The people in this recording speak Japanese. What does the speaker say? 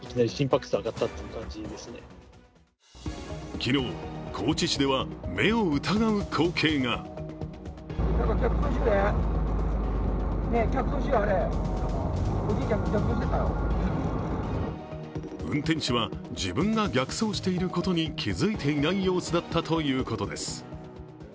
昨日、高知市では目を疑う光景が運転手は、自分が逆走していることに気づいていない様子だったということです。